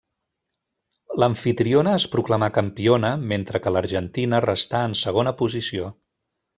L'amfitriona es proclamà campiona, mentre que l'Argentina restà en segona posició.